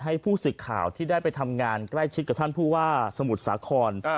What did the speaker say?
ให้ผู้สื่อข่าวที่ได้ไปทำงานใกล้ชิดกับท่านผู้ว่าสมุทรสาคร